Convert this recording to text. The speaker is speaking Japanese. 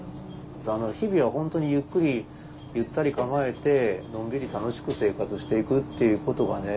日々は本当にゆっくりゆったり構えてのんびり楽しく生活していくっていうことがね